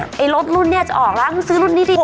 ไอ้รถรุ่นนี้จะออกแล้วมึงซื้อรุ่นนี้ดิ